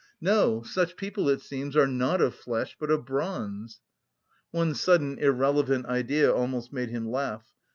No, such people, it seems, are not of flesh but of bronze!" One sudden irrelevant idea almost made him laugh.